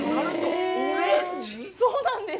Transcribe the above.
そうなんです。